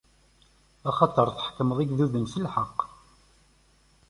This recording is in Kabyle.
Axaṭer tḥekmeḍ igduden s lḥeqq.